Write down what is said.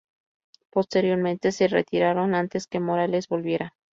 Posteriormente se retiraron antes que Morales volviera.